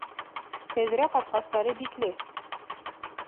Тәҙрә ҡапҡастары бикле.